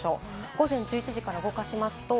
午前１１時から動かします。